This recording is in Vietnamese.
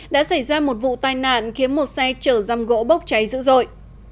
đã xảy ra một vụ tai nạn khiến một xe chở răm gỗ bốc cháy dữ dội